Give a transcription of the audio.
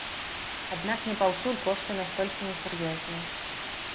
Аднак не паўсюль кошты настолькі несур'ёзныя.